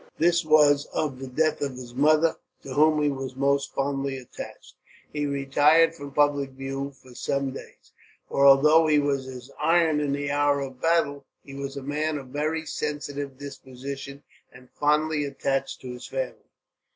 This was of the death of his mother, to whom he was most fondly attached. He retired from public view for some days; for although he was as iron in the hour of battle, he was a man of very sensitive disposition, and fondly attached to his family.